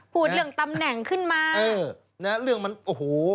พูดเรื่องตำแหน่งขึ้นมา